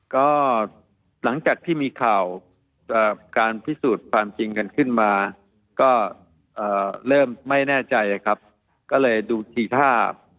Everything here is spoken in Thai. ก็หลังจากที่มีข่าวการพิสูจน์ความจริงกันขึ้นมาก็เริ่มไม่แน่ใจครับก็เลยดูทีท่า